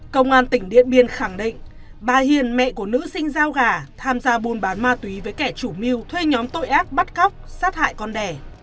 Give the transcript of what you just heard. công an tỉnh điện biên khẳng định bà hiền mẹ của nữ sinh giao gà tham gia buôn bán ma túy với kẻ chủ mưu thuê nhóm tội ác bắt cóc sát hại con đẻ